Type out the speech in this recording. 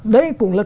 đây cũng là